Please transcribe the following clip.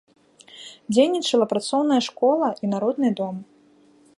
Дзейнічала працоўная школа і народны дом.